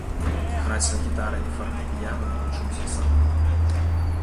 Граць на гітары і фартэпіяна навучыўся сам.